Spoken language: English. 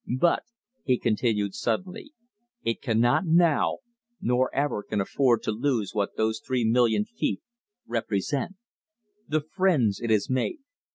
"But," he continued suddenly, "it cannot now, nor ever can afford to lose what those three million feet represent, the friends it has made.